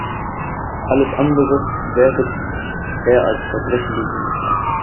Alles andere wertet er als «Verbrechen gegen den Islam».